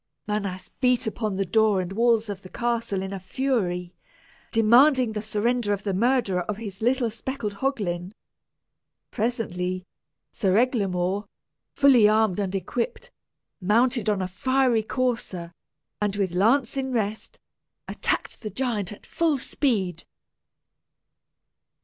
Manas beat upon the door and walls of the castle in a fury, demanding the surrender of the murderer of his dear little speckled hoglin. Presently, Sir Eglamour, fully armed and equipped, mounted on a fiery courser, and with lance in rest, attacked the giant at full speed.